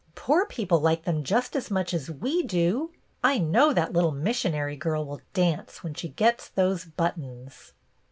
Poor people like them just as much as we do. I know that little missionary girl will dance when she gets those buttons."